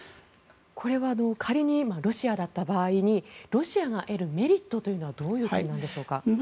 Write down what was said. これは仮にロシアだった場合にロシアが得るメリットというのはどういう点でしょうか？